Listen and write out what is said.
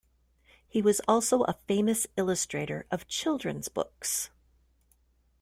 He was also a famous illustrator of children's books.